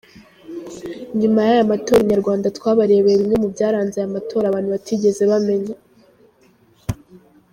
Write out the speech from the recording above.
Nyuma y’aya matora Inyarwanda twabarebeye bimwe mu byaranze aya matora abantu batigeze bamenya;.